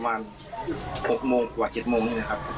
บัง๖โมงกว่า๗โมงนะครับ